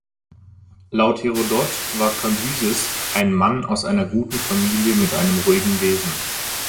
Laut Herodot war Kambyses ein „Mann aus einer guten Familie mit einem ruhigen Wesen“.